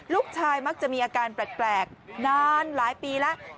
ลูกชายมักจะมีอาการแปลกนานหลายปีแล้ว